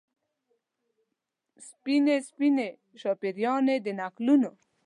سپینې، سپینې شاپیريانې د نکلونو